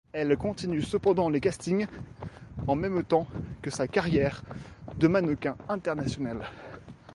Elle continue cependant les castings, en même temps que sa carrière de mannequin internationale.